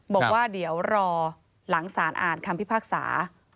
บอกว่าเดี๋ยวรอหลังสารอ่านคำพิพากษา